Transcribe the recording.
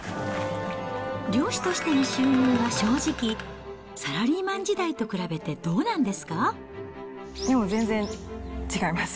漁師としての収入は正直、サラリーマン時代と比べてどうなんですか？